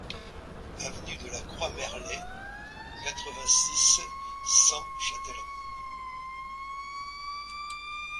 Avenue de la Croix Merlet, quatre-vingt-six, cent Châtellerault